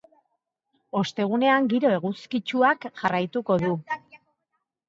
Ostegunean giro eguzkitsuak jarraituko du.